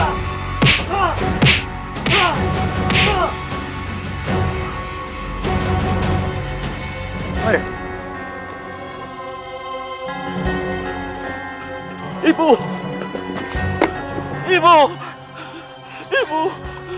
kegiatan yang akan diperoleh